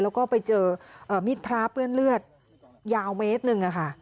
แล้วก็ไปเจอมีดพระเปื้อนเลือดยาวเมตรหนึ่ง